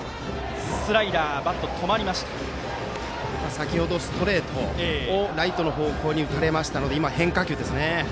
先程ストレートをライト方向に打たれましたので今、変化球ですね。